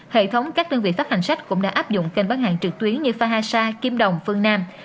hệ thống các đơn vị phát hành sách cũng đã áp dụng kênh bán hàng trực tuyến như phahasa kim đồng phương nam